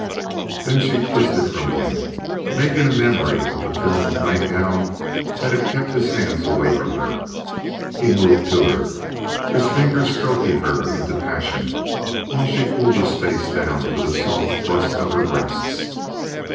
Then she twisted from him, making a memory of the film of nightgown that had kept his hands away from her. He moved to her, his fingers stroking her into passion while she pulled his face down to the soft thrust of her breasts.